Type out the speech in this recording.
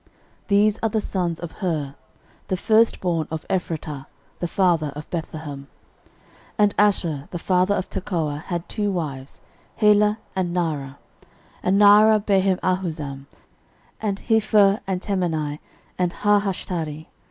These are the sons of Hur, the firstborn of Ephratah, the father of Bethlehem. 13:004:005 And Ashur the father of Tekoa had two wives, Helah and Naarah. 13:004:006 And Naarah bare him Ahuzam, and Hepher, and Temeni, and Haahashtari.